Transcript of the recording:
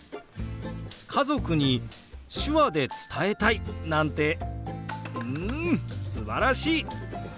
家族に手話で伝えたいなんてうんすばらしい！